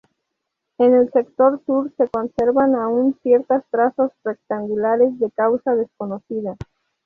En el sector Sur, se conservan aún ciertas trazas rectangulares de causa desconocida.